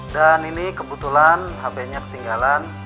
dan ini kebetulan hpnya ketinggalan